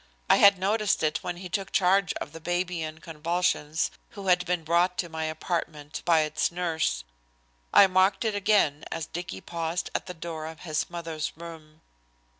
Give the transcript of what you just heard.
I had noticed it when he took charge of the baby in convulsions who had been brought to my apartment by its nurse. I marked it again as Dicky paused at the door of his mother's room.